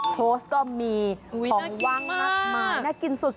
โพสต์ก็มีของว่างมากมายน่ากินสุด